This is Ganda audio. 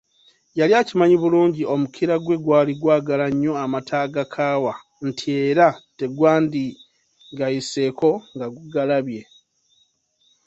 Yali akimanyi bulungi omukira gwe gwali gwagala nnyo amata agakaawa nti era tegwandigayiseeko nga gugalabye.